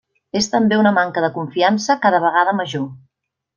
És també una manca de confiança cada vegada major.